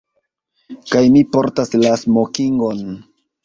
Kaj mi portas la smokingon.